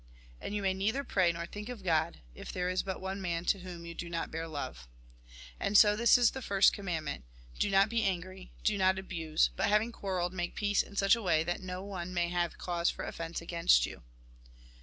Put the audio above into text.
And you may neither pray, nor think of God, if there is but one man to whom you do not bear love. And so this is the first commandment : Do not be angry, do not abuse ; but having quarrelled, make peace in such a way that no one may have cause for offence against you.